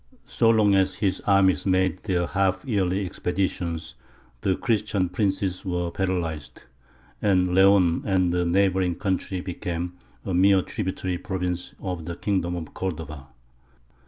So long as his armies made their half yearly expeditions, the Christian princes were paralysed, and Leon and the neighbouring country became a mere tributary province of the kingdom of Cordova.